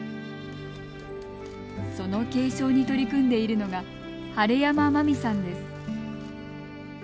その継承に取り組んでいるのが晴山真美さんです。